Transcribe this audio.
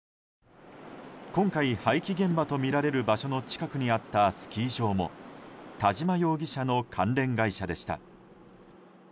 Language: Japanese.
今回、廃棄現場とみられる場所の近くにあったスキー場も田嶋容疑者の関連会社でした。